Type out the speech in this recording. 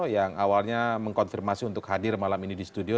yang awalnya mengkonfirmasi untuk hadir malam ini di studio